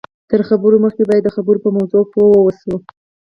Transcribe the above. تر خبرو مخکې باید د خبرو په موضوع پوه واوسئ